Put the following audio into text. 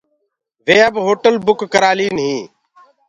وي اب هوٽل بُڪ ڪرآلين هين۔